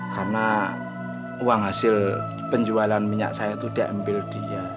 karena uang hasil penjualan minyak saya itu diambil dia